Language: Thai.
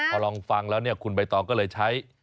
พอลองฟังแล้วเนี่ยคุณใบตองก็เลยใช้